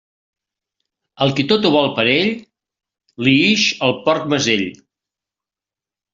Al qui tot ho vol per a ell, li ix el porc mesell.